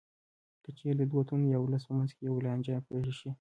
که چېرې د دوو تنو یا ولس په منځ کې یوه لانجه پېښه شي